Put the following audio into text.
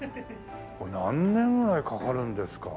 何年ぐらいかかるんですか？